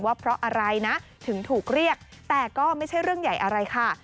ว่าเพราะอะไรนะถึงถูกเรียกแต่ก็ไม่ใช่เรื่องใหญ่อะไรค่ะ